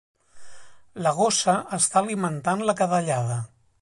La gossa està alimentant la cadellada.